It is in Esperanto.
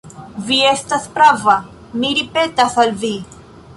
Vi estas prava, mi ripetas al vi.